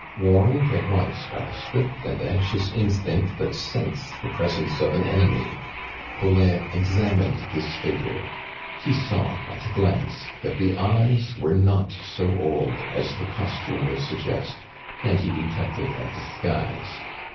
Warned at once by the swift and anxious instinct that scents the presence of an enemy, Collin examined this figure; he saw at a glance that the eyes were not so old as the costume would suggest, and he detected a disguise.